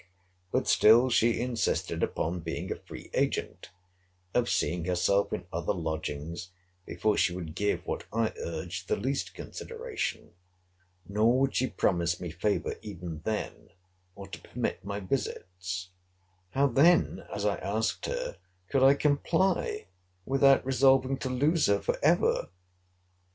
But still she insisted upon being a free agent; of seeing herself in other lodgings before she would give what I urged the least consideration. Nor would she promise me favour even then, or to permit my visits. How then, as I asked her, could I comply, without resolving to lose her for ever?